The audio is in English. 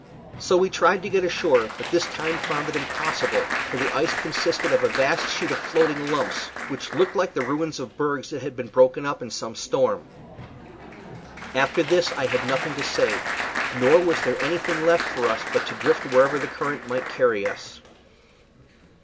So we tried to get ashore, but this time found it impossible; for the ice consisted of a vast sheet of floating lumps, which looked like the ruin of bergs that had been broken up in some storm. After this I had nothing to say, nor was there anything left for us but to drift wherever the current might carry us.